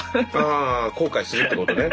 あ後悔するってことね。